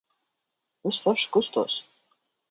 Es forši kustos.